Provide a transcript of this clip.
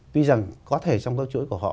tuy rằng có thể trong các chuỗi của họ